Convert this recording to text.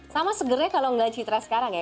sama segernya kalau nggak citra sekarang ya